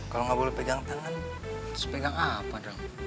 kalau enggak boleh pegang tangan terus pegang apa dong